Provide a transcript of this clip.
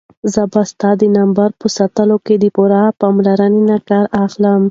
زه به ستا د نمبر په ساتلو کې د پوره پاملرنې نه کار اخلم.